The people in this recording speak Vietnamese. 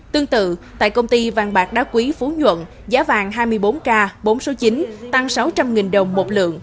tương tự tại công ty vàng bạc đá quý phú nhuận giá vàng hai mươi bốn k bốn số chín tăng sáu trăm linh đồng một lượng